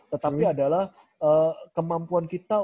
tetapi adalah kemampuan kita